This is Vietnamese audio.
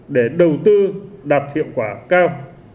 để đầu tư đạt hiệu quả cao